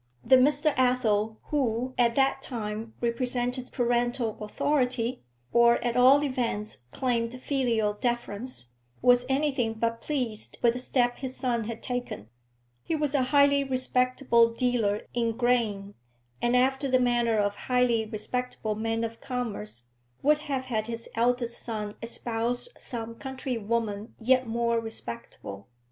The Mr. Athel who at that time represented parental authority, or at all events claimed filial deference, was anything but pleased with the step his son had taken; he was a highly respectable dealer in grain, and, after the manner of highly respectable men of commerce, would have had his eldest son espouse some countrywoman yet more respectable.